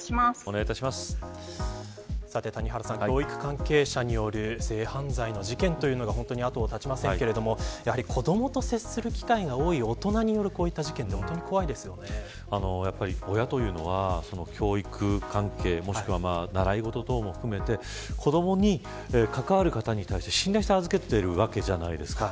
谷原さん、教育関係者による性犯罪の事件というのが後を絶ちませんけれども子どもと接する機会が多い大人による事件って親というのは教育関係もしくは習い事等も含めて子どもに関わる方に対して信頼して預けているわけじゃないですか。